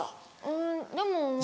うんでも。